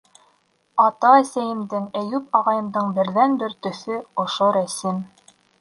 - Ата-әсәйемдең, Әйүп ағайымдың берҙән-бер төҫө - ошо рәсем.